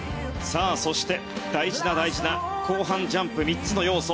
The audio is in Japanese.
そして、大事な大事な後半ジャンプ３つの要素。